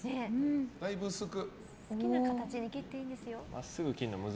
だいぶ薄く。